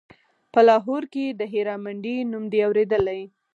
په لاهور کښې د هيرا منډيي نوم دې اورېدلى.